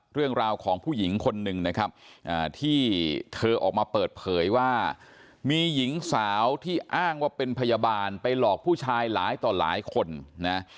เรื่องราวของผู้หญิงคนหนึ่งนะครับที่เธอออกมาเปิดเผยว่ามีหญิงสาวที่อ้างว่าเป็นพยาบาลไปหลอกผู้ชายหลายต่อหลายคนนะ